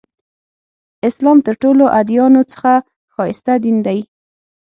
اسلام تر ټولو ادیانو څخه ښایسته دین دی.